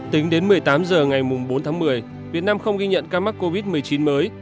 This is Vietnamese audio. tính đến một mươi tám h ngày bốn tháng một mươi việt nam không ghi nhận ca mắc covid một mươi chín mới